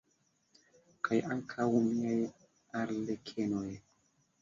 Kaj ankaŭ miaj arlekenoj!